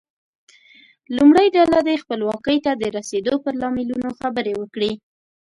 لومړۍ ډله دې خپلواکۍ ته د رسیدو پر لاملونو خبرې وکړي.